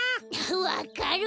わかる！